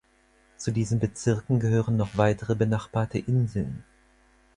Zu diesen Bezirken gehören noch weitere benachbarte Inseln.